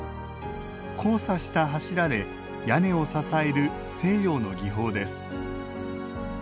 交差した柱で屋根を支える西洋の技法です。